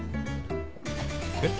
えっ？